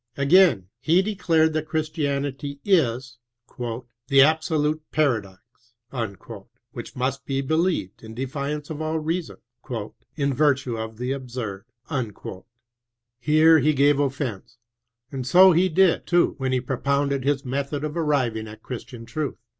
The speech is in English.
Again, he declared that Christianity is '* the absolute paradox," which must be believed in defiance of all rea son, "in virtue of the absurd." Here he gave offence, and so he did, too, when he propounded his method of airiving at Chris tian truth.